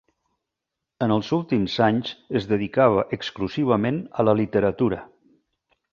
En els últims anys es dedicava exclusivament a la literatura.